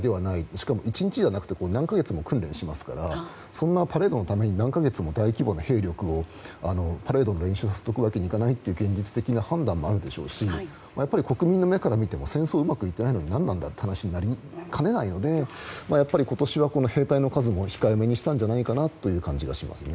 しかも、１日じゃなくて何か月も訓練しますからそんなパレードのために何か月もパレードの練習をさせておくわけにいかないという判断もあるでしょうしやはり国民の目から見ても戦争がうまくいっていないのに何なんだという話になりかねないのでやっぱり今年は兵隊の数も控えめにしたんじゃないかなという気がしますね。